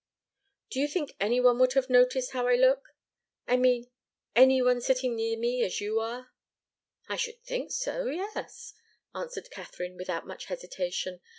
"Do you think any one would have noticed how I looked? I mean any one sitting near me, as you are?" "I should think so yes," answered Katharine, without much hesitation.